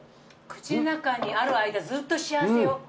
口の中にある間ずっと幸せよ。